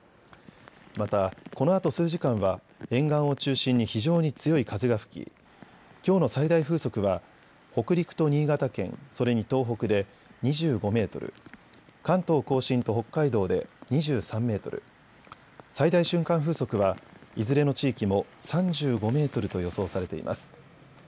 また、このあと数時間は、沿岸を中心に非常に強い風が吹き、きょうの最大風速は、北陸と新潟県、それに東北で２５メートル、関東甲信と北海道で２３メートル、最大瞬間風速は、いずれの地域も３５メートルと予想されています。